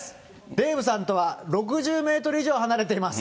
デーブさんとは６０メートル以上離れています。